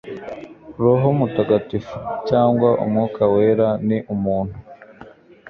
Roho Mutagatifu,” cyangwa umwuka wera, ni umuntu